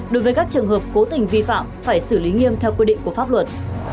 đối với các trường hợp cố tình vi phạm phải xử lý nghiêm theo quy định của pháp luật